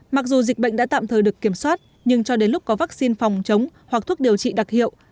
mặc dù dịch bệnh đã tạm thời được kiểm soát nhưng cho đến lúc có vaccine phòng chống hoặc thuốc điều trị đặc hiệu